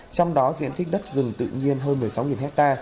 trong đó diện tích đất rừng tự nhiên hơn một mươi sáu ha